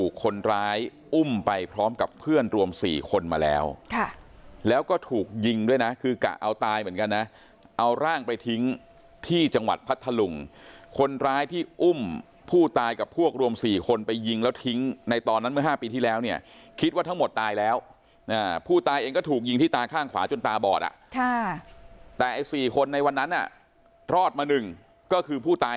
คนร้ายอุ้มไปพร้อมกับเพื่อนรวม๔คนมาแล้วแล้วก็ถูกยิงด้วยนะคือกะเอาตายเหมือนกันนะเอาร่างไปทิ้งที่จังหวัดพัทธลุงคนร้ายที่อุ้มผู้ตายกับพวกรวม๔คนไปยิงแล้วทิ้งในตอนนั้นเมื่อ๕ปีที่แล้วเนี่ยคิดว่าทั้งหมดตายแล้วผู้ตายเองก็ถูกยิงที่ตาข้างขวาจนตาบอดอ่ะค่ะแต่ไอ้๔คนในวันนั้นอ่ะรอดมาหนึ่งก็คือผู้ตาย